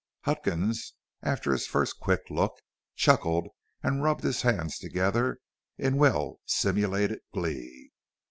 Huckins, after his first quick look, chuckled and rubbed his hands together, in well simulated glee.